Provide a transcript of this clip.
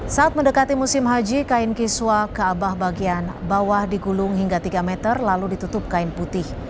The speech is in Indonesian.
saat mendekati musim haji kain kiswa kaabah bagian bawah digulung hingga tiga meter lalu ditutup kain putih